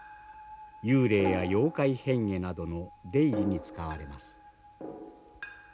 幽霊や妖怪変化などの出入りに使われます。